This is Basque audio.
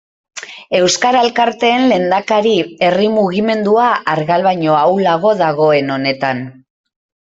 Euskara elkarteen lehendakari, herri mugimendua argal baino ahulago dagoen honetan.